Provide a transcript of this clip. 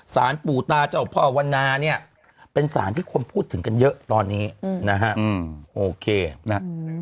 สารปู่ตาเจ้าพ่อวันนาเนี่ยเป็นสารที่คนพูดถึงกันเยอะตอนนี้นะฮะโอเคนะฮะ